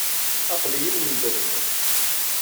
Aql-iyi i lmendad-nwen.